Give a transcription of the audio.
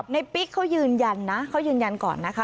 ปิ๊กเขายืนยันนะเขายืนยันก่อนนะคะ